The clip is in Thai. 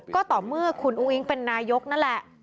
ก็ต่อเมื่อคุณอุ้งอิ๊งเป็นนายกนั่นแหละ